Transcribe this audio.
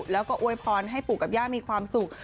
และทำให้ปูกับย่ามีความสุข